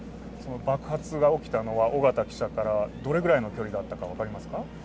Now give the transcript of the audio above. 爆発が起きたのは、緒方記者からどれぐらいの距離だったか分かりますか。